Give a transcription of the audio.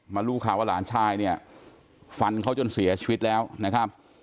รู้ข่าวว่าหลานชายเนี่ยฟันเขาจนเสียชีวิตแล้วนะครับ